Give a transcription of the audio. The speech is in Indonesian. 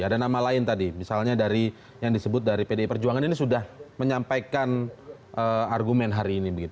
ada nama lain tadi misalnya dari yang disebut dari pdi perjuangan ini sudah menyampaikan argumen hari ini